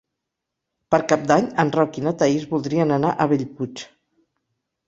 Per Cap d'Any en Roc i na Thaís voldrien anar a Bellpuig.